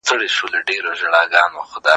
ډیپلوماټان څنګه د روغتیا حق باوري کوي؟